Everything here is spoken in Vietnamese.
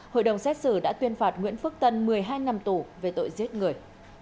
hội đồng xét xử đã tuyên phạt nguyễn phước tân một mươi hai năm tù về tội giết người